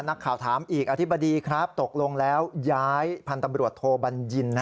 นักข่าวถามอีกอธิบดีครับตกลงแล้วย้ายพันธุ์ตำรวจโทบัญญิน